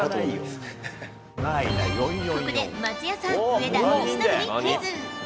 ここで松也さん、上田、由伸にクイズ。